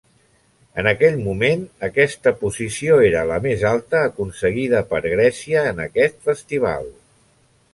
En aquell moment, aquesta posició era la més alta aconseguida per Grècia en aquest Festival.